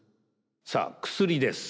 さあ薬です。